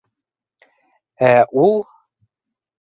Ә ул...